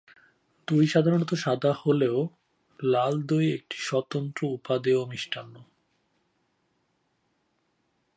দই সাধারণত সাদা হলেও লাল দই একটি স্বতন্ত্র উপাদেয় মিষ্টান্ন।